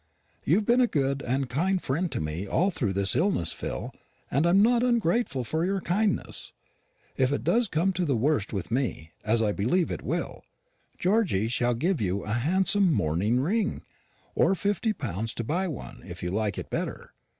You've been a good and kind friend to me all through this illness, Phil, and I'm not ungrateful for your kindness. If it does come to the worst with me as I believe it will Georgy shall give you a handsome mourning ring, or fifty pounds to buy one, if you like it better.